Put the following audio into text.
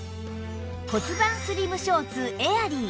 骨盤スリムショーツエアリー